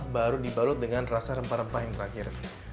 baru dibalut dengan rasa rempah rempah yang terakhir